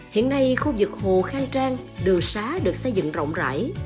hiện nay khu vực hồ khang trang đường xá được xây dựng rộng rãi